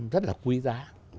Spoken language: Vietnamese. rất là quý giá